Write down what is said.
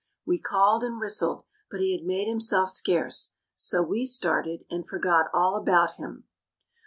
We called and whistled, but he had made himself scarce, so we started and forgot all about him.